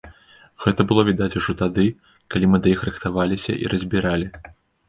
Гэта было відаць ужо тады, калі мы да іх рыхтаваліся і разбіралі.